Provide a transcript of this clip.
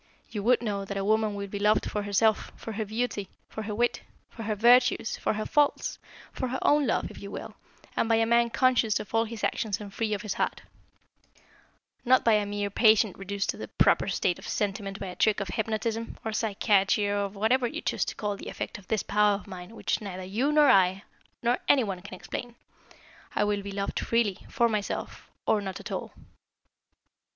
You would know that a woman will be loved for herself, for her beauty, for her wit, for her virtues, for her faults, for her own love, if you will, and by a man conscious of all his actions and free of his heart; not by a mere patient reduced to the proper state of sentiment by a trick of hypnotism, or psychiatry, or of whatever you choose to call the effect of this power of mine which neither you, nor I, nor any one can explain. I will be loved freely, for myself, or not at all."